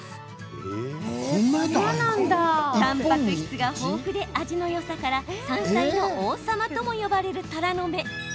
たんぱく質が豊富で味のよさから山菜の王様とも呼ばれるたらの芽。